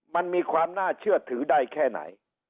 มันมีความน่าเชื่อถือได้แค่ไหน